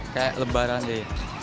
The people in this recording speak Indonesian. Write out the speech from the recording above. kayak lebaran deh